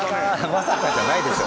まさかじゃないでしょ。